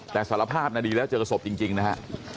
แต่สารภาพนาทีแล้วเจอศพจริงนะฮะ